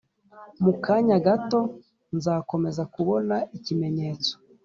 Mu kanya gato nzakomeza kubona ikimenyetso